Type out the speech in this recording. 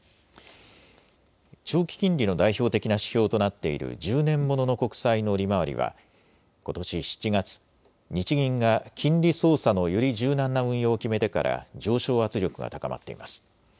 長期金利の代表的な指標となっている１０年ものの国債の利回りはことし７月、日銀が金利操作のより柔軟な運用を決めてから上昇圧力が高まっています。